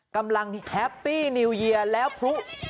กำลังแฮปปี้นิวเยียร์แล้วพลุ